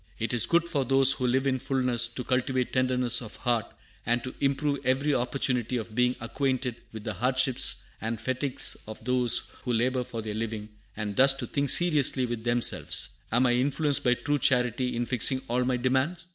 "It is good for those who live in fulness to cultivate tenderness of heart, and to improve every opportunity of being acquainted with the hardships and fatigues of those who labor for their living, and thus to think seriously with themselves: Am I influenced by true charity in fixing all my demands?